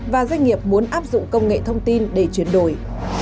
và doanh nghiệp muốn áp dụng công nghệ thông tin để chuyển đổi